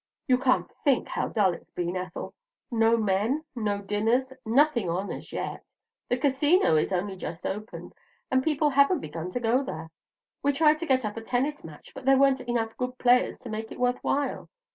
"You can't think how dull it's been, Ethel: no men, no dinners; nothing going on as yet. The Casino is only just opened, and people haven't begun to go there. We tried to get up a tennis match, but there weren't enough good players to make it worth while.